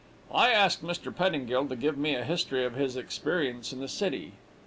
"I asked Mr. Pettingill to give me a history of his experience in the city.